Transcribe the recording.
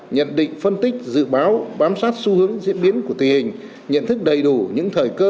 nhận định phân tích dự báo bám sát xu hướng diễn biến của tình hình nhận thức đầy đủ những thời cơ